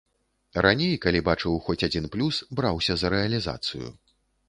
Раней, калі бачыў хоць адзін плюс, браўся за рэалізацыю.